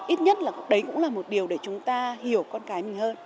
ít nhất là đấy cũng là một điều để chúng ta hiểu con cái mình hơn